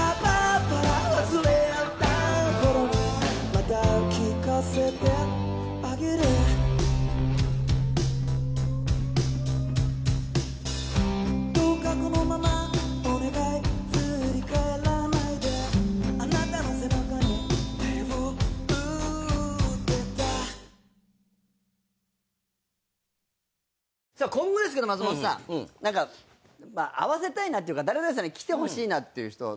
「肌男のメンズビオレ」今後ですけど松本さん会わせたいなっていうか誰々さんに来てほしいなっていう人。